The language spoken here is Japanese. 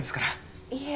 いえ。